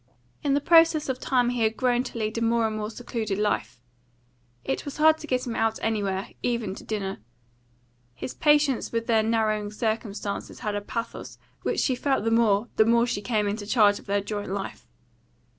In the process of time he had grown to lead a more and more secluded life. It was hard to get him out anywhere, even to dinner. His patience with their narrowing circumstances had a pathos which she felt the more the more she came into charge of their joint life.